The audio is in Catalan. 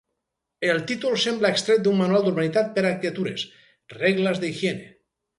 El títol sembla extret d'un manual d'urbanitat per a criatures: «Reglas de higiene».